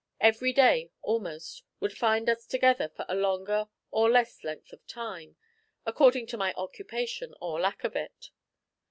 Every day almost would find us together for a longer or less length of time, according to my occupation or lack of it.